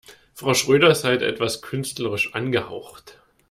Frau Schröder ist halt etwas künstlerisch angehaucht.